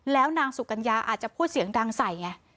แล้วนางสุกัญญาอาจจะพูดเสียงดังใส่ไง